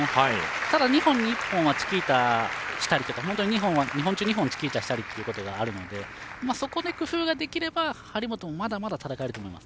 ただ、２本に１本はチキータをしたり本当に２本中２本チキータしたりすることもあるのでそこで工夫できれば張本もまだまだ戦えると思います。